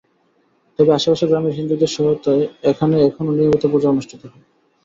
তবে আশপাশের গ্রামের হিন্দুদের সহায়তায় এখানে এখনো নিয়মিত পূজা অনুষ্ঠিত হয়।